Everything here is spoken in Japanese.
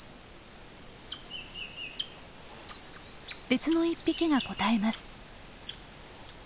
別の１匹が応えます。